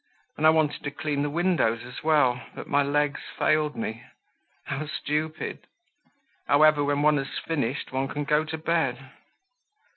And I wanted to clean the windows as well, but my legs failed me. How stupid! However, when one has finished one can go to bed."